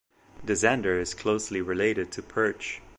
The zander is closely related to perch.